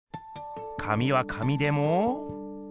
紙は紙でも。